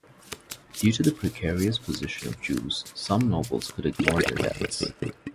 Due to the precarious position of Jews, some nobles could ignore their debts.